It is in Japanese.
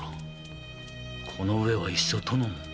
このうえはいっそ殿も！